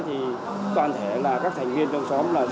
thì toàn thể là các thành viên trong xóm rất đông nàng ủng hộ